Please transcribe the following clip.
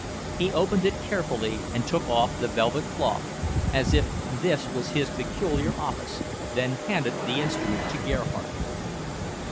He opened it carefully and took off the velvet cloth, as if this was his peculiar office, then handed the instrument to Gerhardt.